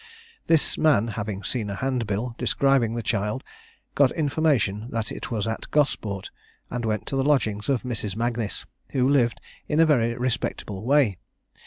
This man having seen a hand bill describing the child, got information that it was at Gosport, and went to the lodgings of Mrs. Magnis, who lived in a very respectable way.